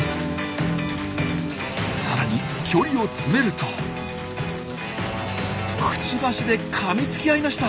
さらに距離を詰めるとくちばしでかみつき合いました。